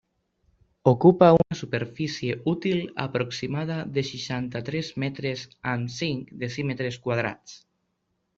Ocupa una superfície útil aproximada de seixanta-tres metres amb cinc decímetres quadrats.